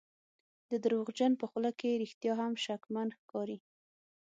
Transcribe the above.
د دروغجن په خوله کې رښتیا هم شکمن ښکاري.